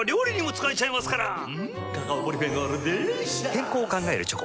健康を考えるチョコ。